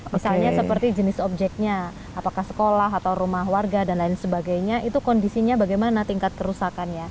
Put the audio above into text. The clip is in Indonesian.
misalnya seperti jenis objeknya apakah sekolah atau rumah warga dan lain sebagainya itu kondisinya bagaimana tingkat kerusakannya